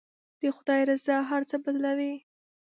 د خدای رضا هر څه بدلوي.